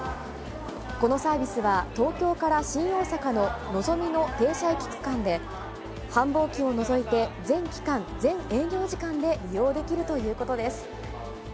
このサービスは、東京から新大阪ののぞみの停車駅区間で、繁忙期を除いて全期間、全営業時間で利用できるということです。